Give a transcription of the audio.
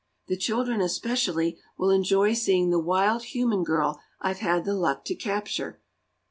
The children, especially, will enjoy seeing the wild human girl I've had the luck to capture."